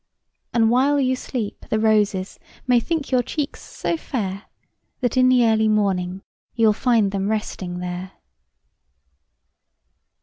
And while you sleep, the roses May think your cheeks so fair That, in the early morning, You'll find them resting there.